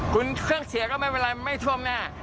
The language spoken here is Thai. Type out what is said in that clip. คุณเครื่องเสียก็ไม่เป็นไรไม่ท่วมแน่